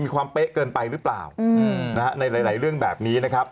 ความเป๊ะเกินไปหรือเปล่าในหลายเรื่องแบบนี้นะครับ